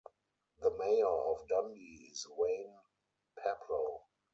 The mayor of Dundee is Wayne Paplow.